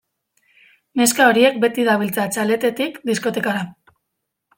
Neska horiek beti dabiltza txaletetik diskotekara.